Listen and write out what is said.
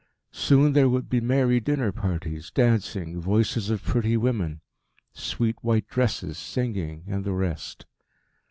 Soon there would be merry dinner parties, dancing, voices of pretty women, sweet white dresses, singing, and the rest.